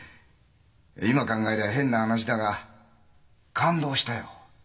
今考えりゃ変な話だが感動したよ。